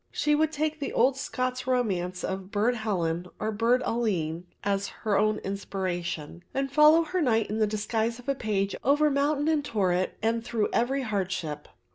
She would take the old Scots romance of Burd Helen, or Burd Aline, as her own inspiration, and follow her knight in the disguise of a page over mountain and torrent and through every hardship.